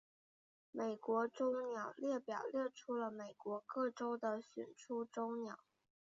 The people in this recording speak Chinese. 美国州鸟列表列出了美国各州的选出州鸟。